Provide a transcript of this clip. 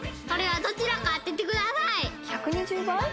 どちらか当ててください。